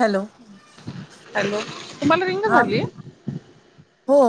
Hello. Hello, तुम्हाला ring हा झाली. हो.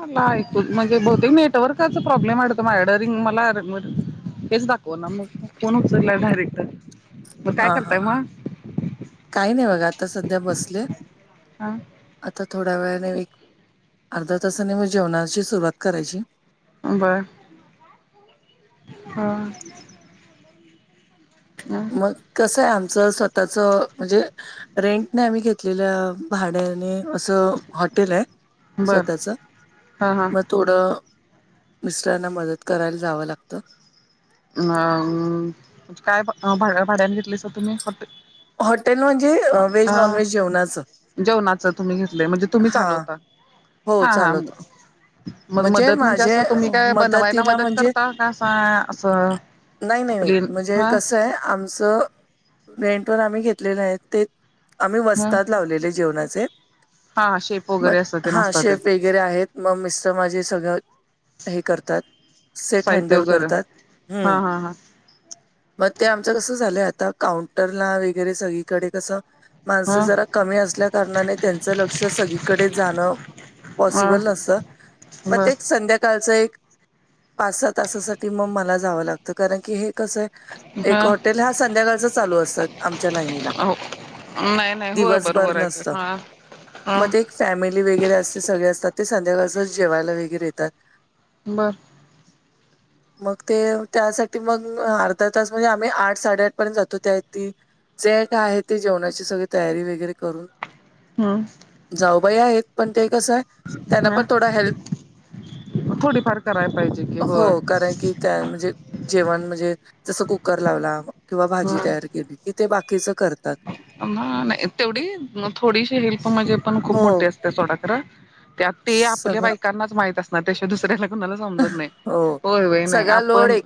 मला ऐकू म्हणजे बहुतेक नेटवर्कचा प्रॉब्लेम आहेत. माझ्याकड रिंग मला. हेच दाखव ना मग फोन ण उचलला डायरेक्ट. मग हा काय हा करताय हा.. मग काही नाही बघा आता सध्या बसले. हा आता थोड्या वेळाने एक, अर्ध्या तासाने मग जेवणाची सुरुवात करायची. बरं हा.. ह.. मग कसं आहे आमचं स्वतःच म्हणजे रेंटने आम्ही घेतलेल्या भाड्याने. असं हॉटेल आहे. बर स्वतःच हा हा मग. थोडं मिस्टरांना मदत करायला जावं लागतं. अ.. म्हणजे काय भा भाड्यान घेतलायसा तुम्ही हॉटेल. हॉटेल म्हणजे अ व्हेज नॉन व्हेज जेवणाचं. जेवणाच तुम्ही घेतले म्हणजे तुम्ही हा चालवता. हो हा हा चालवतो. मग म्हणजे मदत असं माझे तुम्ही काय बनवायला मदतीला मदत म्हणजे. करता का असं असं नाही नाही नाही आपली म्हणजे हा कस. ते आमच रेंट वर आम्ही घेतलेलं आहे ते. आम्ही हा वस्तात लावलेले जेवणाचे हा शेप मग वगैरे असतात ते हा नसतात ते शेफ एक. वगैरे आहेत मग मिस्टर माझे सगळं हे करतात. सेट साहित्य हँडल वगैरे करतात. हा हम्म... हा मग ते आमचं कस झालंय आता, काउंटरला वगैरे सगळीकडे कसं. माणसं हा जरा कमी असल्या कारणाने त्याचं लक्ष सगळीकडे जाणं. हा हा पॉसिबल असं मग बर तेच संध्याकाळच एक. पाच सहा तासासाठी मग मला जावं लागतं कारण की हे कसं आहे. एक हॉटेल हा संध्याकाळचा चालू असतात. आमच्या लाईनीला. हो नाही नाही होय दिवसभर बरोबर आहे की. नसत हा मग ह... ते एक फॅमिली वगैरे असते, सगळे असतात. ते संध्याकाळचं जेवायला वगैरे येतात. बर. मग ते त्यासाठी मग अर्धा तास म्हणजे आम्ही आठ साडेआठ पर्यंत जातो. त्या ती जे काय आहे ते जेवणाची सगळी तयारी वगैरे करून हम्म जाऊबाई आहेत, पण ते कसं त्यांना ह पण थोडा हेल्प थोडीफार कराय पाहिजे की हो होय. कारण की काय म्हणजे जेवण म्हणजे जसं कुकर लावला किंवा भाजी तयार केली. तीथे बाकीचं करत नाही नाही तेवढी थोडीशी हेल्प म्हणजे पण खूप हो मोठी असते सोडा खर. त्यात ते आपल्या सगळं बाईकांनाच माहित अस ना त्याच्या दुसऱ्याला कुणाला समजत नाही. हो. होय होय नाही आपण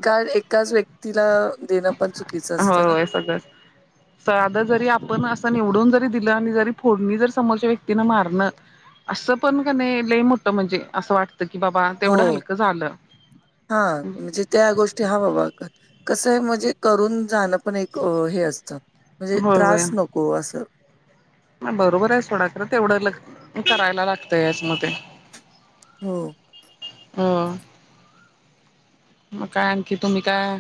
तिला देणंपण चुकीचं अस होय सगळंच. साधं जरी आपण असं निवडून जरी दिलं आणि जरी फोडणी जर समोरच्या व्यक्तीने मारणं असं पण कनई लई मोठं म्हणजे असं वाटतं की बाबा तेवढं हो. हलकं झालं. हां, म्हणजे त्या गोष्टी हा बाबा कसं आहे म्हणजे करून जाणं. पण एक हे असतं. म्हणजे होय होय त्रास नको असं. बरोबर आहे सोडा खर तेवढंल करायला लागतंयच मग ते. हो. हो, मग काय आणखी तुम्ही काय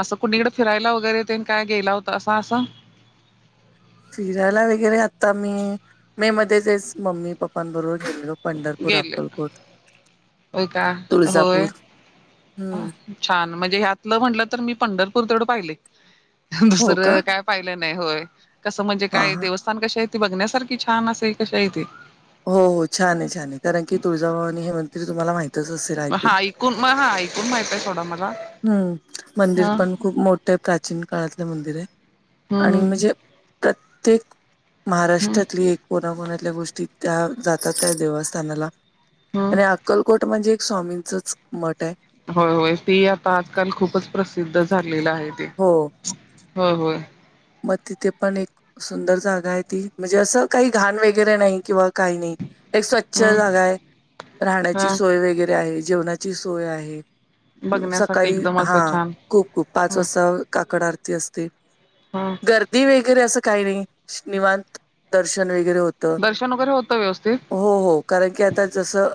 असं कुणीकडे फिरायला वगैरे तेन काय गेला होता असं असं. फिरायला वगैरे आता मी मे मध्येचच मम्मी पप्पांबरोबर गेलेलो. पंढरपूर, गेले अक्कलकोट, होय का होय तुळजापूर हम्म. छान म्हणजे ह्यातलं म्हटलं तर मी पंढरपूर तेवढं पाहिलंय. हो का? दुसरं काय पाहिलं नाही होय. कसं म्हणजे हां, काय हां. देवस्थान कशी आहेत ती बघण्यासारखी छान असे कशी आहे ती? हो हो छान आहे छान आहे, कारण की तुळजाभवानी हे मंदिर तुम्हाला माहितच असेल ऐकून. हा मग हा ऐकून माहितेय थोडा मला. हम्म ह मंदिर पण खूप मोठे आहे, प्राचीन काळातलं मंदिर आहे. आणि हम्म म्हणजे प्रत्येक हम्म. महाराष्ट्रातली कोणाकोणतल्या गोष्टी त्या जातात त्या देवस्थानाला आणि हम्म अक्कलकोट म्हणजे एक स्वामीचंच मठ आहे. होय होय ते आता आजकाल खूपच प्रसिद्ध झालेलं आहे ते. हो. होय होय. मग तिथे पण एक सुंदर जागा आहे ती म्हणजे असं काही घाण वगैरे नाही किंवा काही नाही. एक स्वच्छ हम्म जागा आहे, राहण्याची हा सोय वगैरे आहे. जेवणा ची सोय आहे. बघण्यासाठी सकाळी एकदम हा असं छान खूप खूप पाच ह वाजता काकड आरती असते. हां. गर्दी वगैरे असं काही नाही, निवांत दर्शन वगैरे होत दर्शन वगैरे होतं व्यवस्थित हो हो, कारण की आता जसं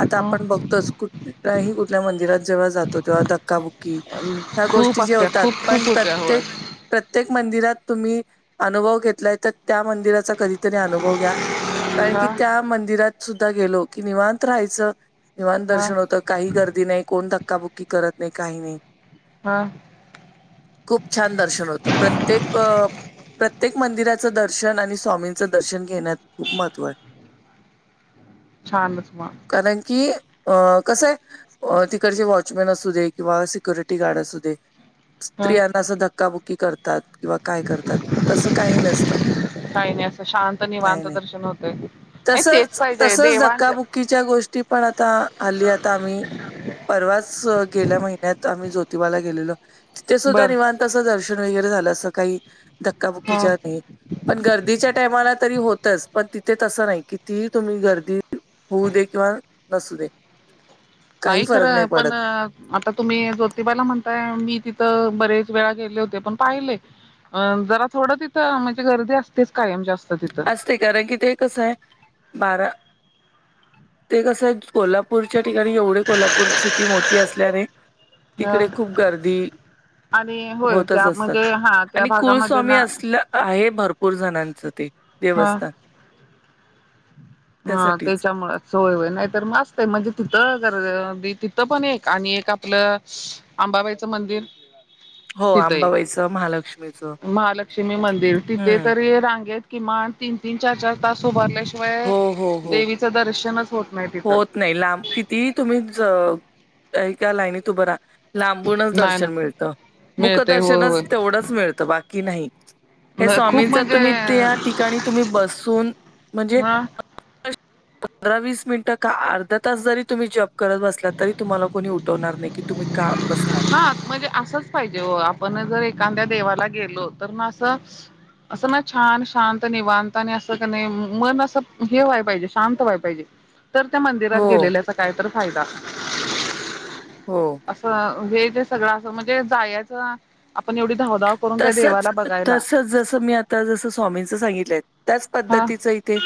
आता ह आपण बघतोच, कुठल्याही कुठल्या मंदिरात जेव्हा जातो तेव्हा धक्काबुक्की ह्या खूप गोष्टी जे असत्या होतात, खूप पण खूप होत्या होय. प्रत्येक प्रत्येक मंदिरात तुम्ही अनुभव घेतलाय, तर त्या मंदिरात त्याचा कधीतरी अनुभव घ्या, कारण हा की त्या मंदिरात सुद्धा गेलो, की निवांत राहायचं. निवांत हा दर्शन होतं. काही गर्दी नाही कोण धक्काबुक्की करत नाही काही नाही. हा. खूप छान दर्शन होतं. प्रत्येक अं.. प्रत्येक मंदिराचं दर्शन आणि स्वामींचं दर्शन घेण्यात खूप महत्त्व आहे. छानचं मग. कारण की अ कसं ये. तिकडचं वॉचमॅन असू दे किंवा सिक्युरिटी गार्ड असू दे. ह स्त्रियांना असं धक्काबुक्की करतात. किंवा काय करतात तसं काही नसतं. नाही नाही असं शांत नाही निवांत नाही दर्शन होते. नाही तेच पाहिजे देवा धकाबुक्कीच्या गोष्टी पण आता हल्ली आता आम्ही. परवाच गेल्या महिन्यात आम्ही ज्योतिबाला गेलेलो. तिथे सुद्धा बर निवांत असं दर्शन वगैरे झालं असं काही ह धक्काबुक्कीच्या नाही. पण गर्दीच्या टाईमाला तरी होतंच. पण तिथे तसं नाही कितीही तुम्ही गर्दी. होऊ दे किंवा नसू दे. काही नाही फरक खरं पण, पडत आता तुम्ही ज्योतिबाला म्हणताय. मी तिथं बरेच वेळा गेले होते पण पाहिले. अ जरा थोडं तिथं म्हणजे गर्दी असतेच कायम जास्त तिथं. असते कारण कि ते कसं आहे बारा ते कसं आहे कोल्हापूरच्या ठिकाणी एवढे कोल्हापूर सिटी मोठी असल्याने. ह तिकडे खूप गर्दी. आणि होय होतंच त्या असतात म्हणजे हा त्या आणि भागामध्ये कुळस्वामी ना असलं. आहे भरपूर जणांचं ते ह देवस्थान. हा त्यासाठीच. तेच्यामुळं. सोय हो नाही तर मग अस्तय म्हणजे, तिथं तिथं पण एक आणि एक आपलं. अंबाबाईचं मंदिर. हो तिथं एक आंबाबाईचं महालक्ष्मीचं महालक्ष्मी मंदिर तिथे हम्म. तरी रांगेत. किमान तीन तीन, चार चार तास उभारल्याशिवाय. हो हो हो.. देवीचं दर्शनच होत नाही तिथं होतं. नाही लांब किती तुम्ही एका लाईनीत उभ राहा. लांबूनच नाही दर्शन नाही मिळतं मिळतय होय मुखदर्शनच होय तेवढंच मिळतं बाकी नाही. हे खूप स्वामींच म्हणजे तुम्ही त्या ठिकाणी तुम्ही बसून. म्हणजे, ह पंधरा वीस मिनिटं का, अर्धा तास जरी तुम्ही जप. करत बसला तरी तुम्हाला कोणी उठवणार नाही की तुम्ही का बसलात. हा म्हणजे असंच पाहिजे हो. आपण जर एखाद्या देवाला गेलो तर मग असं. असं ना छान शांत निवांत आणि असं कणी मन असं हे व्हाय पाहिजे शांत व्हाय पाहिजे तर त्या मंदिरात हो, गेलेल्याचा काय तर फायदा. हो. असं हे जे सगळं असं म्हणजे जायाचं. आपण एवढी धावधाव करून त्या तसंच देवाला बघायला तसंच जसं मी आत जसं स्वामींच सांगितलंय त्याचं हा पद्धतीचं इथे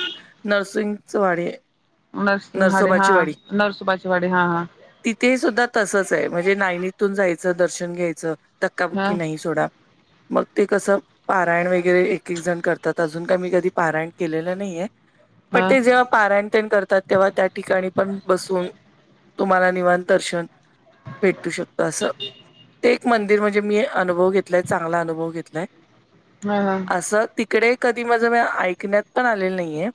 नरसिंगचवाडी. नर्सिंगवाडी हां.. नर्सोबाचीवाडी हा हा.. तिथेही सुद्धा तसंच आहे म्हणजे लायनीतून जायचं. दर्शन घ्यायचं हा धक्काबक्की नाही सोडा. मग ते कसं. पारायण वगैरे एक एक जण करतात. अजून काय मी कधी पारायण केलेलं नाहीये. पण हा ते जेव्हा पारायण. तेन करतात तेव्हा त्या ठिकाणी पण बसून तुम्हाला निवांत दर्शन. भेटू शकतो असं ते एक मंदिर म्हणजे, मी अनुभव घेतलाय चांगला अनुभव घेतलाय. हम्म.. असं तिकडे कधी माझं मग ऐकण्यात पण आलेलं नाही ये.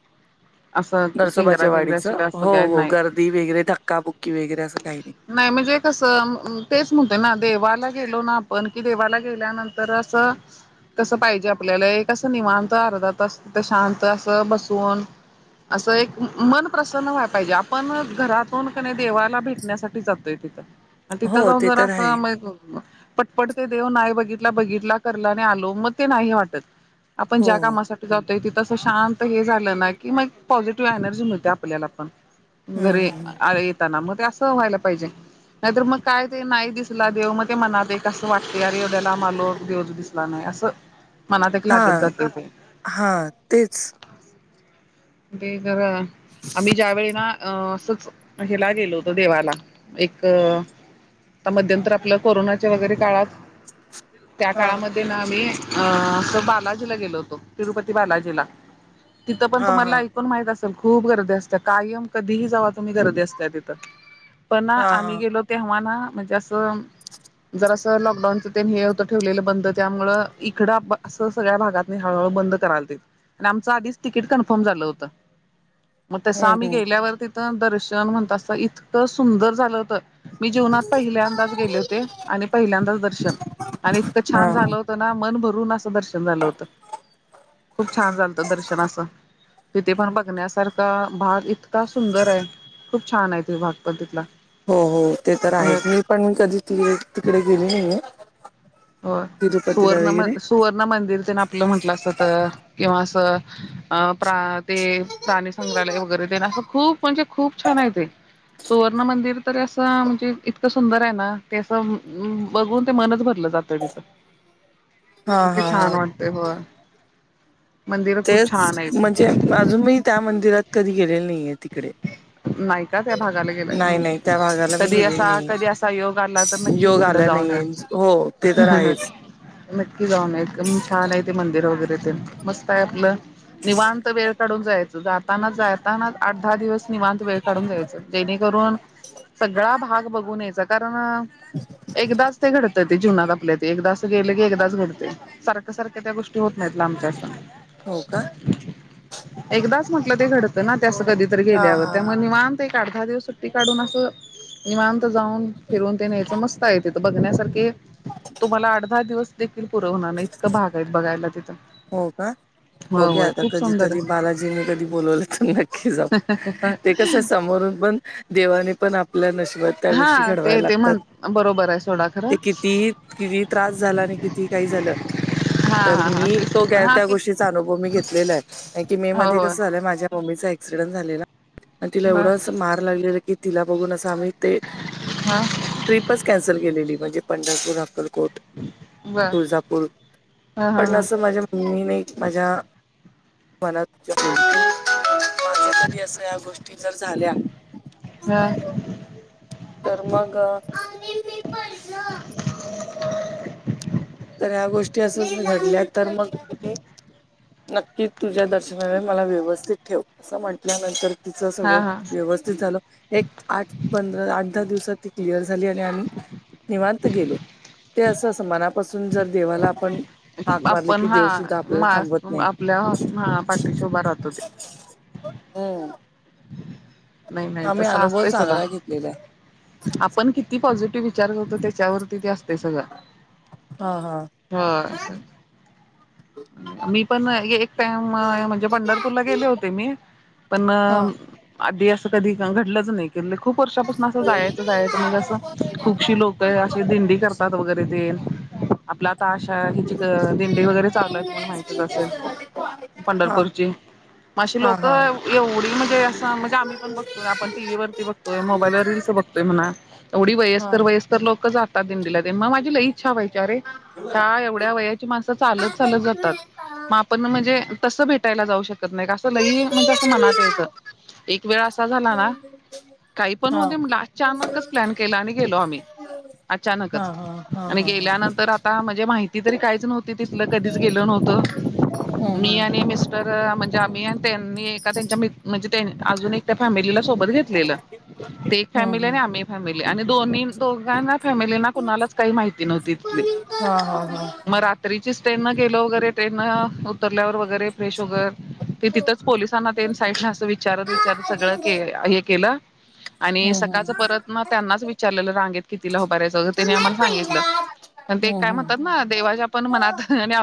असं चिंगरा नरसोबाच्या चिंगऱ्या वाडीच शिका असं हो काय हो.. नाही गर्दी वगैरे धक्काबुक्की वगैरे असं काही नाही. नाही म्हणजे कसं तेच म्हणतोय ना, देवाला गेलो ना आपण कि देवाला गेल्यानंतर असं. तसं पाहिजे. आपल्याला एक असं निवांत अर्धा तास असं शांत असं बसून. असं एक मन प्रसन्न व्हाय पाहिजे. आपण घरातून कणी देवाला भेटण्यासाठी. जाते तिथं तिथे हो जाऊन ते तर आहे. असं मन. पटपट ते देव नाही बघितला बघितला करला आणि आलो मग ते नाही वाटत. आपण हो ज्या हो. कामासाठी जातोय तिथ असं शांत. हे झालं ना की मग पॉझिटिव्ह एनर्जी मिळते आपल्याला पण हं घरी. हं हं. त्यांना मग ते असं व्हायला पाहिजे. नाहीतर मग काय ते नाही दिसला देव मग ते मनात एक असं वाटते. यार एवढ्या लांब आलो देवच दिसला नाही असं. मनात एक लागत जातंय ते. हा तेच. ते जरा आम्ही ज्या वेळी ना. अ असच हेला गेलो होतो देवाला एक. आता मध्यंतर आपलं कोरोनाच्या वगैरे काळात त्या हां हां. काळामध्ये ना आम्ही. अ असं बालाजीला गेलो होतो, तिरुपती बालाजीला तिथं पण हां तुम्हाला. हां. पण माहित असेल खूप गर्दी असते. कायम कधीही जावा तुम्ही गर्दी असत्या तिथं. पण हां आम्ही हां. गेलो तेव्हा ना म्हणजे असं. जरासं लॉकडाऊनच ते हे होतं ठेवलेलं बंद त्यामुळं इकडं आ.. असं. तर सगळ्या भागातनी हळूहळू बंद करालतीत आमचा आधीच तिकीट कन्फर्म. ठम झालं होतं मग, तसं हं आम्ही हं. गेल्यावर तिथं. तीत दर्शन म्हणतासा इतकं सुंदर झालं होत. मी जीवनात पहिल्यांदाच गेले होते. आणि पहिल्यांदाच दर्शन आणि इतकं छान हां. झालं. तो ना मन भरून असं दर्शन झालं होतं, खूप छान झालत दर्शन असं. तिथे पण बघण्यासारखा भाग इतका सुंदर आहे. खूप छान आहे त भाग पण तिथला. हो हो ते तर आहे. मी पण कधी त तिकडे गेली नाहीे ये. होय. तिरुपती ला सुवर्ण म वगैरे. सुवर्ण मंदिर तेन आपलं म्हटला सा तर. किंवा असं अ प्रा ते प्राणी संग्रहालय वगैरे तेन असं खूप. पण जे खूप छान आहे ते. सुवर्ण मंदिर तरी असं म्हणजे इतकं सुंदर आहे ना. ते असं बघून ते मनच भरलं जातं. तर तीत हां किती हां छान हां. वाटते होय. मंदिर खूप छान तेच आहे ती. म्हणजे अजून मी त्या मंदिरात कधी गेलेले नाहीे तिकडे. नाही का त्या भागाला गेला नाही नाही त्या भागाला मी कधी, गेलेली असा कधी नाहीये असा योग आला तर नक्की योग तिकडं आला जाऊन या. नाहीये हो ते तर आहेच. नक्की जाऊन या, एकदम छान आहे ते मंदिर वगैरे ते मस्त आहे. आपलं निवांत वेळ. काढून जायच जाताना च आठ दहा दिवस निवांत वेळ काढून जायच जेणेकरून. सगळा भाग बघून यायचा, कारण एकदाच ते घडत. ते जीवनात आपल्या ते एकदाच गेले की एकदाच घडते. सारख्या सारख्या त्या गोष्टी होत नाहीत लांबच्या असं. हो का. एकदाच म्हटलं ते घडतं ना ते असं कधीतरी हा गेल्यावर हा. त्यामुळे निवांत. एक आठ दहा दिवस सुट्टी काढून असं. निवांत जाऊन फिरून तेन यायचं, मस्त आहे तिथं बघण्यासारखे. तुम्हाला आठ दहा दिवस देखील पुर होणार नाही. इतकं भाग आहेत बघायला तिथं. हो का होय बघूया होय आता खूप सुंदर कधीतरी आहे बालाजीनी कधी बोलवलं तर नक्की. नक्की जाऊ ते कसं समोरून पण, देवानी पण आपल्या नशिबात. त्या गोष्टी हा ते घडवायला ते लागतात. म्हण बरोबर आहे सोडा खरं ते कितीही किती त्रास झाला आणि किती. काही झालं हा तर हा हा मी ते तो घ्या हा त्या ते गोष्टी. त्याचा अनुभव मी घेतला आहे मे हो महिन्यामध्ये होय कसं झालं मम्मीचा एक्सीडेंट झालेला. आणि तिला एवढ बर असं मार लागलेला की, तिला बघून असं आम्ही ते. हा. ट्रिपच कॅन्सल केलेली म्हणजे, पंढरपूर अक्कलकोट. बर तुळजापूर हा हा पण हा असं माझे. मी नाही माझ्या मनातच्या. कधी असं या गोष्टी जर झाल्या. ह.. तर मग, तर ह्या गोष्टी असंच घडल्या तर मग. नक्की तुझ्या दर्शनाने मला व्यवस्थित ठेव असं म्हंटल्यानंतर. तिचं हा सगळं हा व्यवस्थित झालं. एक आठ पंधरा आठ दहा दिवसात ती क्लिअर झाली आणि आम्ही निवांत गेलो. ते असं असं मनापासून जर देवाला आपण. हाक मारली आपण की हा देव सुद्धा आपल्याला मा थांबवत नाही आपल्या हा पाठीशी उभा राहतो ते. हम्म. नाही नाही आम्ही तसं अनुभव असतंय सोडा चांगला घेतलेला आहे. आपण किती पॉझिटिव्ह विचार करतो त्याच्यावरती ते असतं. ते सगळं. हा हा हा.. मी पण एक टाइम म्हणजे, पंढरपूरला गेले होते मी. पण हा आधी असं कधी घडलंच नाही. की खूप वर्षापासून. असं जायचं जायचं म्हणजे, असं खूपशी लोकं अशी दिंडी करत. तात वगैरे तेन आपला आता आशा हिची. दिंडी वगैरे चालतं. तुम्हाला माहितीच असेल, पंढरपूरची मग अशी लोक हा एवढी म्हणजे. म्हणजे आम्ही पण बघतोय. आपण टी व्ही वरती बघतोय. मोबाईलवर रील्स बघतोय म्हणा एवढी हा हा वयस्कर वयस्क तर लोकं जातात दिंडीला ते मग माझी लई इच्छा व्हायची अरे या एवढ्या वयाची. ती माणसं चालत चालत जातात. मग आपण म्हणजे तस भेटायला जाऊ शकत. हरकत नाही असं लय म्हणजे, असं मनात यायचं एक वेळ असा झाला ना. काही पण हा होऊ दे म्हणलं, अचानकच प्लॅन केला आणि गेलो आम्ही. हा अचानकच हा हा आणि हा हा हा गेल्यानंतर आता म्हणजे, माहिती तरी काहीच नव्हती तिथलं कधीच. गेलो नव्हतो. हम्म हम्म मी आणि मिस्ट तर म्हणजे आम्ही आणि त्यांनी एका तेच्या म्हणजे अजून एक त्या फॅमिलीला सोबत घेतलेलं. ते एक हम्म फॅमिली हम्म आणि आम्ही फॅमिली आणि दोन्ही दोघांना फॅमिलीना कुणालाच काही माहिती नव्हती तिथली. हा हा हा.. तरीचीच ट्रेन न गेलं वगैरे ट्रेन न, उतरल्यावर वगैरे फ्रेश वगैर. ते तिथंच पोलिसांना ते साईडला असं विचारत विचारत सगळं के हे केलं. आणि हम्म हम्म सकाळचं परत, मग त्यांनाच विचारलेलं रांगेत कितीला उभारायचं? त्यांनी आम्हाला सांगितलं. ते हम्म काय हम्म म्हणतात ना, देवाच्या पण मनात. आणि